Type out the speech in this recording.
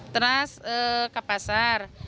terus ke pasar